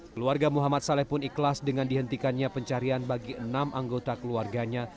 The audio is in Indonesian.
keluarga muhammad saleh pun ikhlas dengan dihentikannya pencarian bagi enam anggota keluarganya